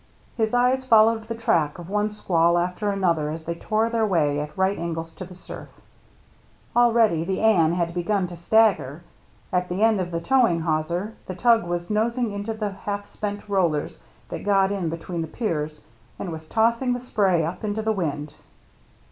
His eyes followed the track of one squall after another as they tore their way at right angles to the surf Already the Anne had begun to stagger. At the end of the towing hawser the tug was nosing into the half spent rollers that got in between the piers, and was tossing the spray up into the wind.